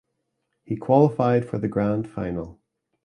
He qualified for the grand final.